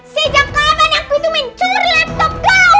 sejak kelewan aku itu mincur laptop kau